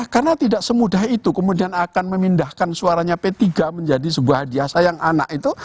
karena tidak semudah itu kemudian akan memindahkan suaranya p tiga menjadi sebuah hadiah sayang anak itu